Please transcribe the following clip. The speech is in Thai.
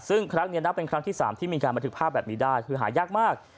ซึ่งครั้งนี้นับเป็นครั้งที่๓ที่มีการบันทึกภาพแบบนี้ได้คือหายากมาก